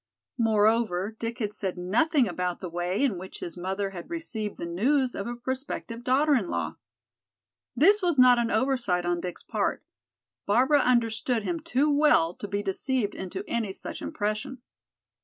Moreover, Dick had said nothing about the way in which his mother had received the news of a prospective daughter in law. This was not an oversight on Dick's part; Barbara understood him too well to be deceived into any such impression.